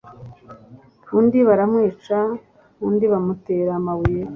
undi baramwica, undi bamutera amabuye.